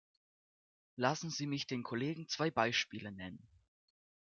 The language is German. Lassen Sie mich den Kollegen zwei Beispiele nennen.